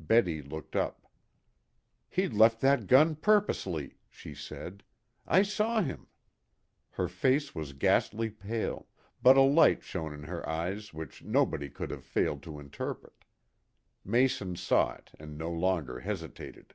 Betty looked up. "He left that gun purposely," she said. "I saw him." Her face was ghastly pale, but a light shone in her eyes which nobody could have failed to interpret. Mason saw it and no longer hesitated.